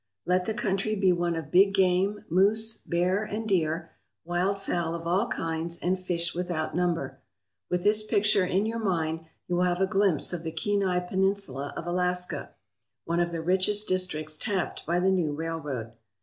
Let the country be one of big game, moose, bear, and deer, wild fowl of all kinds, and fish without number. With this picture in your mind you will have a glimpse of the Kenai Peninsula of Alaska, one of the richest districts tapped By the new railroad.